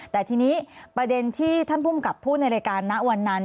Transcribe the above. แต่ทีนี้ประเด็นที่ท่านภูมิกับพูดในรายการณวันนั้น